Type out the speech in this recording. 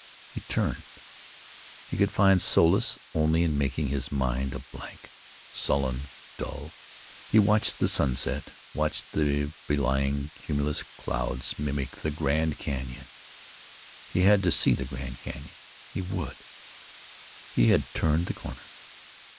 He turned. He could find solace only in making his mind a blank. Sullen, dull, he watched the sunset, watched the bellying cumulus clouds mimic the Grand Cañon. He had to see the Grand Cañon! He would!... He had turned the corner.